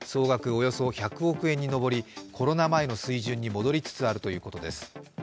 およそ１００億円に上り、コロナ前の水準に戻りつつあるということです。